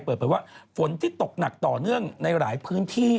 เปิดเผยว่าฝนที่ตกหนักต่อเนื่องในหลายพื้นที่